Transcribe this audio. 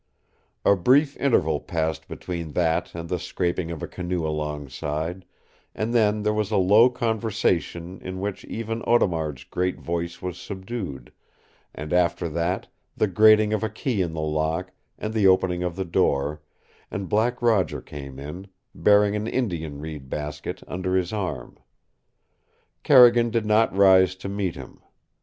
A brief interval passed between that and the scraping of a canoe alongside, and then there was a low conversation in which even Audemard's great voice was subdued, and after that the grating of a key in the lock, and the opening of the door, and Black Roger came in, bearing an Indian reed basket under his arm. Carrigan did not rise to meet him.